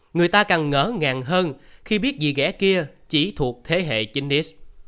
người ta càng ngỡ ngàng hơn khi biết dì ghẻ kia chỉ thuộc thế hệ chinh nít